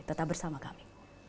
tetap bersama kami